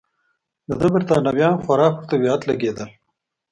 د ده بریتانویان خورا په طبیعت لګېدل.